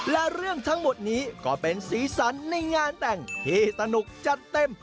และเรื่องทั้งหมดนี้ก็เป็นสีสันในงานแต่งที่สนุกจัดเต็ม